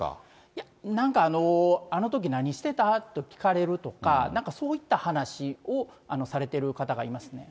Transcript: いや、なんか、あのとき何してた？って聞かれるとか、なんかそういった話をされてる方がいますね。